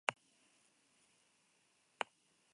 Indarrean dagoen akordioa aurtengo amaieran bukatuko da.